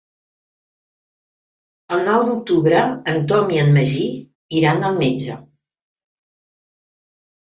El nou d'octubre en Tom i en Magí iran al metge.